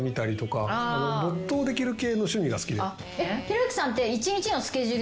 ひろゆきさんって。